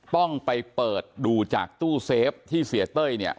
ต้องไปเปิดดูจากตู้เซฟที่เสียเต้ยเนี่ย